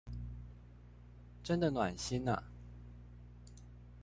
真的暖心啊